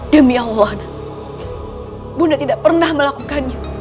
demi allah bunda tidak pernah melakukannya